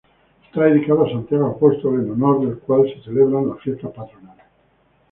Está dedicado a Santiago Apóstol en honor del cual se celebran fiestas patronales.